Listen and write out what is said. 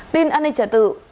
tin an ninh trang trí